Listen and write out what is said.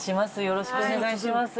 よろしくお願いします。